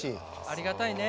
ありがたいね。